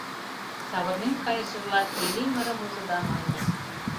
Савырнен кайышыжла Иллимарым ужо да мане: